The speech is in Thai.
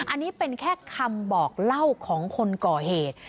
อันนี้เป็นแค่คำบอกเล่าของคนก่อเหตุ